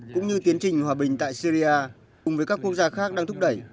cũng như tiến trình hòa bình tại syria cùng với các quốc gia khác đang thúc đẩy